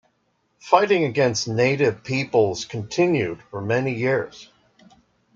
Fighting against native peoples continued for many years.